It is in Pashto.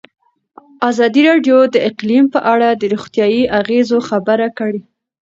ازادي راډیو د اقلیم په اړه د روغتیایي اغېزو خبره کړې.